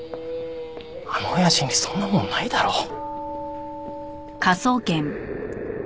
あの親父にそんなもんないだろう。